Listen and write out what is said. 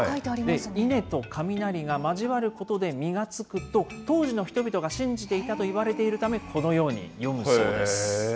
稲と雷が交わることで実がつくと、当時の人々が信じていたといわれているため、このように読むそうです。